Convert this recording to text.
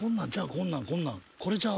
こんなんこんなんこれちゃう？